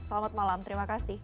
selamat malam terima kasih